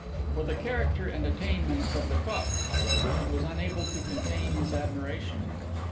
For the character and attainments of Lecoq, however, he was unable to contain his admiration.